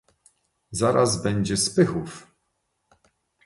"Zaraz będzie Spychów."